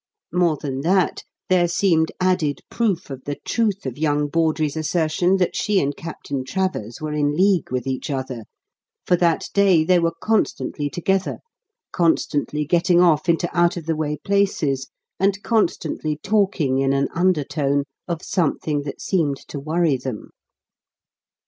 More than that, there seemed added proof of the truth of young Bawdrey's assertion that she and Captain Travers were in league with each other, for that day they were constantly together, constantly getting off into out of the way places, and constantly talking in an undertone of something that seemed to worry them.